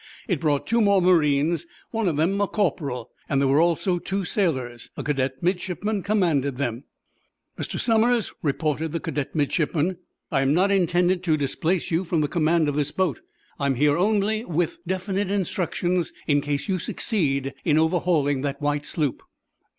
It brought two more marines, one of them a corporal. There were also two sailors. A cadet midshipman commanded them. "Mr. Somers," reported the cadet midshipman, "I am not intended to displace you from the command of this boat. I am here only with definite instructions in case you succeed in overhauling that white sloop."